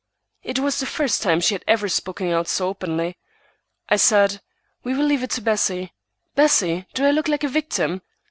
It was the first time she had ever spoken out so openly. I said,— "We will leave it to Bessie. Bessie, do I look like a victim?"